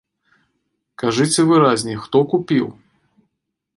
Кажыце выразней, хто купіў?